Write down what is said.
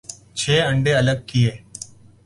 چھ انڈے الگ کئے ۔